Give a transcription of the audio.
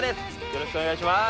よろしくお願いします！